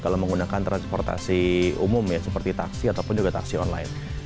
kalau menggunakan transportasi umum ya seperti taksi ataupun juga taksi online